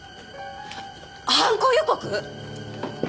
犯行予告！？